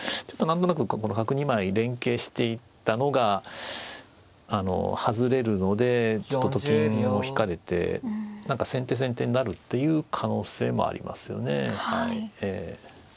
ちょっと何となくここの角２枚連携していたのが外れるのでちょっとと金を引かれて先手先手になるっていう可能性もありますよね。